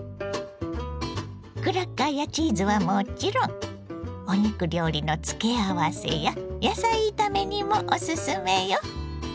クラッカーやチーズはもちろんお肉料理の付け合わせや野菜炒めにもオススメよ！